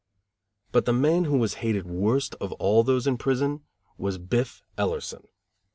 But the man who was hated worst of all those in prison was Biff Ellerson.